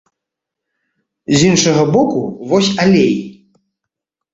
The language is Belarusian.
З іншага боку, вось алей.